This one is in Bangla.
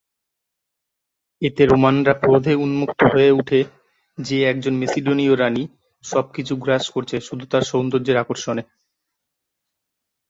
এতে রোমানরা ক্রোধে উন্মত্ত হয়ে উঠে যে একজন মেসিডোনীয় রানি সবকিছু গ্রাস করছে শুধু তার সৌন্দর্যের আকর্ষণে।